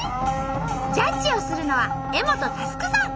ジャッジをするのは柄本佑さん！